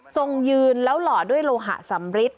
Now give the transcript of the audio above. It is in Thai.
ยืนแล้วหล่อด้วยโลหะสำริท